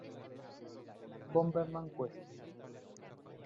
Bomberman Quest